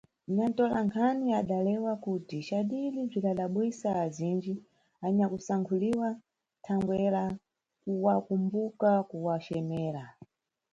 Nyantolankhani adalewa kuti ncadidi bzwidadabwisa azindji anyakusankhulidwa "thangwe la kuwakumbuka kuwacemera".